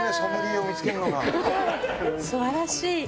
素晴らしい！